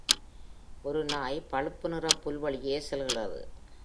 ஒரு நாய் பழுப்பு நிற புல் வழியே செல்கிறது.